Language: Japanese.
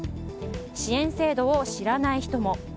支援制度を知らない人も。